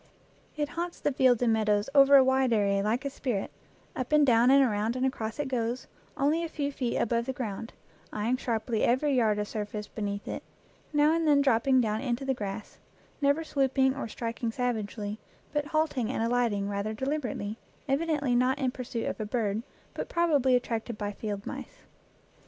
It haunts the fields and meadows over a wide area like a spirit, up and down and around and across it goes, only a few feet above the ground, eyeing sharply every yard of surface be neath it, now and then dropping down into the grass, never swooping or striking savagely, but halting and alighting rather deliberately, evidently not in pursuit of a bird, but probably attracted by field mice.